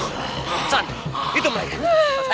aslan itu mereka